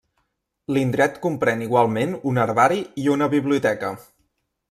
L'indret comprèn igualment un herbari i una biblioteca.